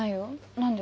何で？